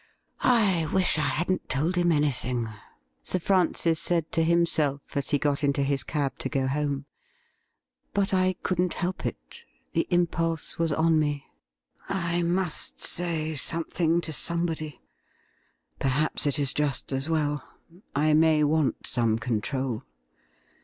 ' I wish I hadn't told him anything,' Sir Francis said to himself as he got into his cab to go home. 'But I couldn't help it ; the impulse was on me ; I must say 198 THE RIDDLE RING something to somebody. Perhaps it is just as well. I may want some control.